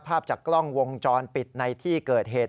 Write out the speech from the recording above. ภาพจากกล้องวงจรปิดในที่เกิดเหตุ